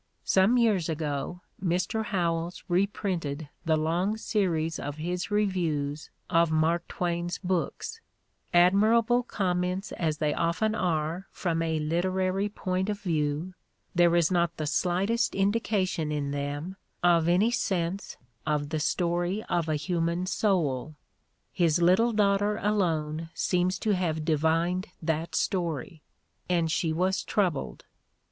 Some years ago Mr. Howells reprinted the long series of his reviews of Mark Twain's books; admirable comments as they often are from a literary point of view, there is not the slightest indication in them of any sense of the story of a human soul. His little daughter alone seems to have divined that story, and she was troubled.